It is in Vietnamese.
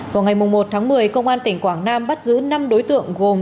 vào ngày một tháng một mươi công an tỉnh quảng nam bắt giữ năm đối tượng gồm